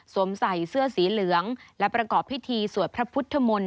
ใส่เสื้อสีเหลืองและประกอบพิธีสวดพระพุทธมนตร์